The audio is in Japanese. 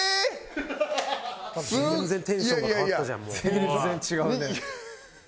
全然違うね。